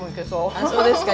あっそうですか。